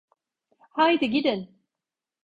Haydi gidin!